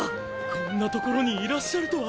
こんな所にいらっしゃるとは。